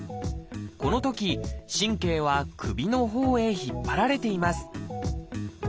このとき神経は首のほうへ引っ張られています。